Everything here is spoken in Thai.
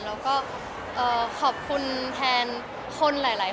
แล้วก็ขอบคุณแทนคนหลายคน